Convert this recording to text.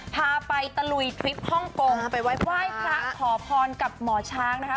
พาไปตะลุยทริปฮ่องกงไปไว้ไหว้พระขอพรกับหมอช้างนะคะ